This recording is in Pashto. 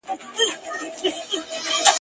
توتکۍ یې کړه په ټولو ملامته ..